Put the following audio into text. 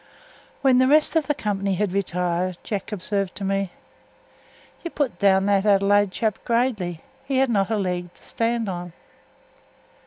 When the rest of the company had retired, Jack observed to me: "You put down that Adelaide chap gradely; he had not a leg to stand on."